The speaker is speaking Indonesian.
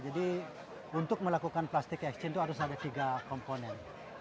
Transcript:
jadi untuk melakukan plastic exchange itu harus ada tiga komponen